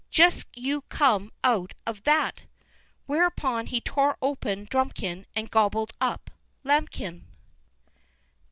Just you come out of that!" Whereupon he tore open drumikin and gobbled up Lambikin.